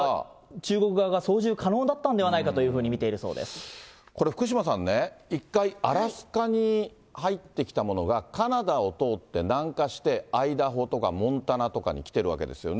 中国側が操縦可能だったんではないかというふうに見ているそこれ、福島さんね、１回、アラスカに入ってきたものが、カナダを通って南下して、アイダホとかモンタナとかに来ているわけですよね。